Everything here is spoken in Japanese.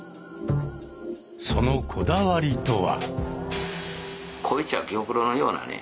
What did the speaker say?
そのこだわりとは？